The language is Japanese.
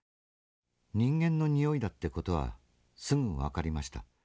人間の臭いだって事はすぐ分かりました。